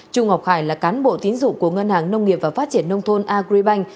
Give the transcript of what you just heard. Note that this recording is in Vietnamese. chu ngọc khải là cán bộ tín dụ của ngân hàng nông nghiệp và phát triển nông thôn agribank